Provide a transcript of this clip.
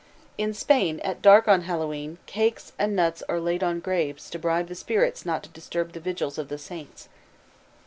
In Spain at dark on Hallowe'en cakes and nuts are laid on graves to bribe the spirits not to disturb the vigils of the saints.